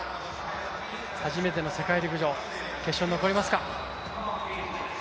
初めての世界陸上、決勝に残りますか。